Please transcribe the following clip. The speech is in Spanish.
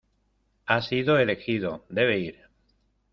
Ha sido elegido. Debe ir .